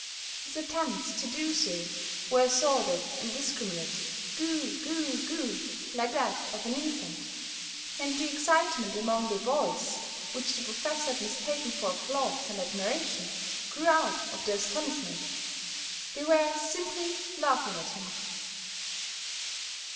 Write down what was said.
His attempts to do so were a sort of indiscriminate goo, goo, goo, like that of an infant; and the excitement among the boys, which the Professor had mistaken for applause and admiration, grew out of their astonishment. They were simply laughing at him.